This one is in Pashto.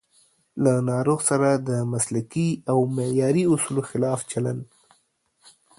له ناروغ سره د مسلکي او معیاري اصولو خلاف چلند